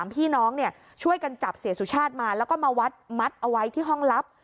พี่น้องช่วยกันจับเสียสุชาติมาแล้วก็มาวัดมัดเอาไว้ที่ห้องลับ